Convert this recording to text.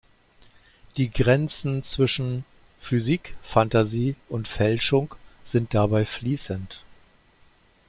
Die Grenzen zwischen Physik, Phantasie und Fälschung sind dabei fließend.